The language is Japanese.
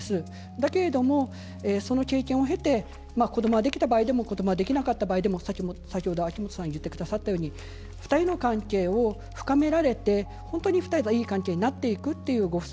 だけれども、その経験を経て子どもができた場合でもできなかった場合でも先ほど秋元さんが言ってくださったように２人の関係を深められて２人がいい関係になっていくというご夫妻